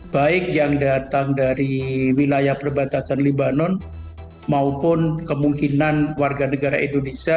baik yang datang dari wilayah perbatasan libanon maupun kemungkinan warga negara indonesia